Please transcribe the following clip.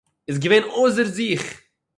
איז געווען אויסער זיך.